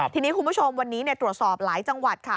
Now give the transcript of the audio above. ทีนี้คุณผู้ชมวันนี้ตรวจสอบหลายจังหวัดค่ะ